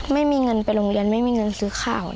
ไม่มีเงินไปโรงเรียนไม่มีเงินซื้อข้าว